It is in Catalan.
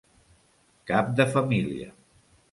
Cap de família.